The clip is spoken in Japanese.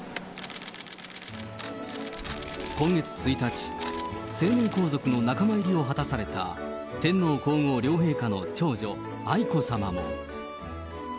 今月１日、成年皇族の仲間入りを果たされた、天皇皇后両陛下の長女、愛子さまも。